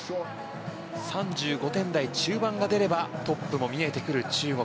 ３５点台中盤が出ればトップも見えてくる中国。